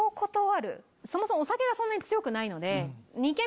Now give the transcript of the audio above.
そもそもお酒がそんなに強くないので。